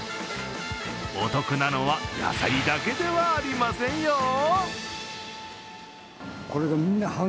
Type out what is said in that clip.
お得なのは野菜だけではありませんよ！